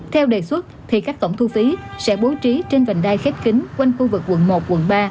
theo đề xuất thì các tổng thu phí sẽ bố trí trên vành đai khép kính quanh khu vực quận một quận ba